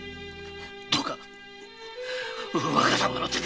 どうか若様の手で。